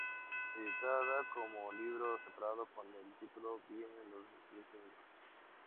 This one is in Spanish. Editada como libro separado con el título de "¡Vienen los vikingos!